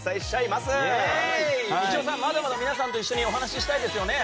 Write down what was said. まだまだ皆さんと一緒にお話ししたいですよね？